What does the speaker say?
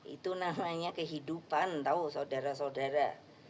itu namanya kehidupan tahu saudara saudara